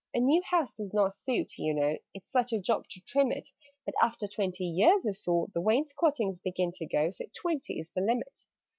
"A new house does not suit, you know It's such a job to trim it: But, after twenty years or so, The wainscotings begin to go, So twenty is the limit."